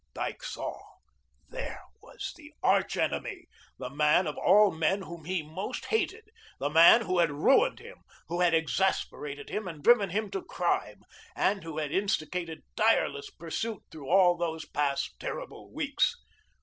Dyke saw. There was the arch enemy; the man of all men whom he most hated; the man who had ruined him, who had exasperated him and driven him to crime, and who had instigated tireless pursuit through all those past terrible weeks.